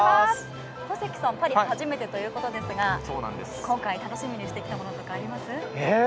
小関さん、パリは初めてということですが今回、楽しみにしてきたものとかありますか？